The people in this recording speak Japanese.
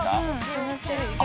涼しい。